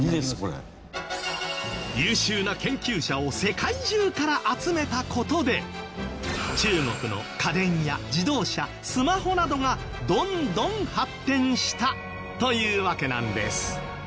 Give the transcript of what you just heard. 優秀な研究者を世界中から集めた事で中国の家電や自動車スマホなどがどんどん発展したというわけなんです。